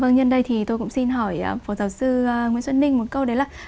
vâng ạ nhân đây thì tôi cũng xin hỏi phổ giáo sư nguyễn xuân ninh một câu đấy là